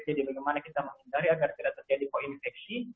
jadi bagaimana kita menghindari agar tidak terjadi koinfeksi